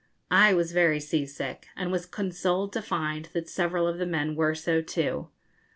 I was very sea sick, and was consoled to find that several of the men were so too.